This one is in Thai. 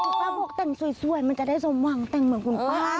ครึ่งพ่อพูดแต่งสวยจะจะสมวังเต็งเหมือนคุณป๊า